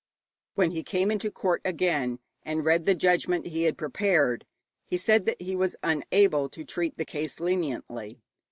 When he came into court again and read the judgment he had prepared, he said that he was unable to treat the case leniently.